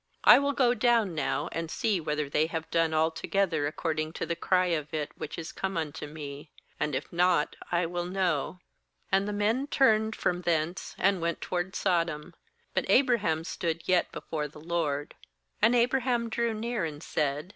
21I will go down now, and see whether they have, done alto gether according to the cry of it, which 19 18.21 GENESIS is come unto Me; and if not, I will know.' ^And the men turned from thence, and went toward Sodom; but Abraham stood yet before the LORD. ^And Abraham drew near, and said.